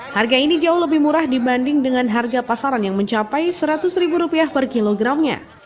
harga ini jauh lebih murah dibanding dengan harga pasaran yang mencapai rp seratus per kilogramnya